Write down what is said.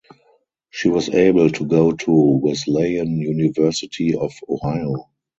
She was able to go to Wesleyan University of Ohio.